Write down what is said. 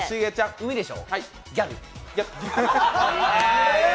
海でしょ？